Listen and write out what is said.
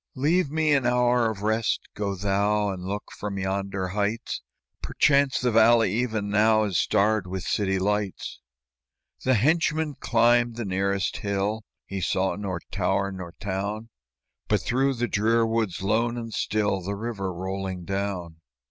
"Leave me an hour of rest; go thou And look from yonder heights; Perchance the valley even now Is starred with city lights." The henchman climbed the nearest hill, He saw nor tower nor town, But, through the drear woods, lone and still, The river rolling down.